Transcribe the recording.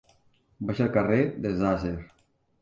Vaig al carrer de Sàsser.